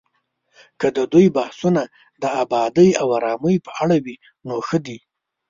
که د دوی بحثونه د ابادۍ او ارامۍ په اړه وي، نو ښه دي